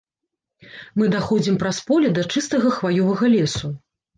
Мы даходзім праз поле да чыстага хваёвага лесу.